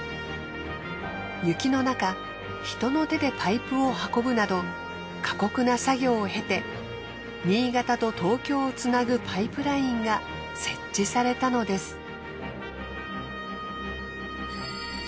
雪の中人の手でパイプを運ぶなど過酷な作業を経て新潟と東京をつなぐパイプラインが設置されたのです。